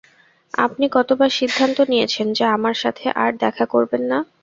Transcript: আপনি কতবার সিদ্ধান্ত নিয়েছেন যে আমার সাথে আর দেখা করবেন না?